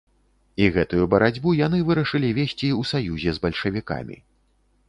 І гэтую барацьбу яны вырашылі весці ў саюзе з бальшавікамі.